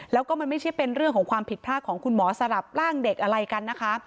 แล้วก็มันไม่ใช่เป็นเรื่องของความผิดพลาดของคุณหมอสลับร่างเด็กอะไรกันนะคะ